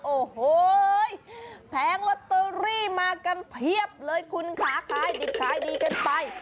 โอ้โหแผงลอตเตอรี่มากันเพียบเลยคุณค่ะขายดิบขายดีกันไป